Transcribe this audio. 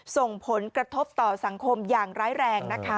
ส่งผลกระทบต่อสังคมอย่างร้ายแรงนะคะ